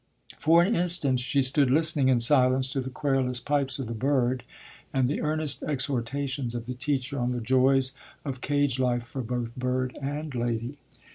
For an instant she stood listening in silence to the querulous pipes of the bird and the earnest exhortations of the teacher on the joys of cage life for both bird and lady.